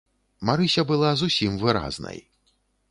Марыся была зусім выразнай.